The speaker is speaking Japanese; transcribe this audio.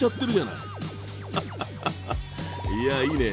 いやいいね。